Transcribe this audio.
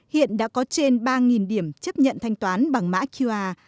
hiện đã có trên ba điểm chấp nhận thanh toán bằng mã qr